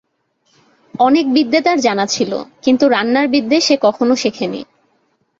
অনেক বিদ্যে তার জানা ছিল, কিন্তু রান্নার বিদ্যে সে কখনো শেখে নি।